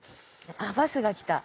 バスが来た。